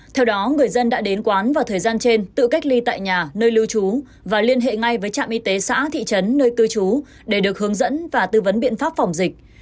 theo đó người dân đã đến quán vào thời gian trên tự cách ly tại nhà nơi lưu trú và liên hệ ngay với trạm y tế xã thị trấn nơi cư trú để được hướng dẫn và tư vấn biện pháp phòng dịch